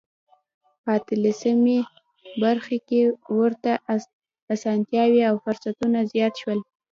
په تعلیمي برخو کې ورته اسانتیاوې او فرصتونه زیات شول.